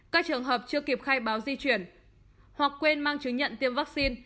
các trường hợp chưa kịp khai báo di chuyển hoặc quên mang chứng nhận tiêm vaccine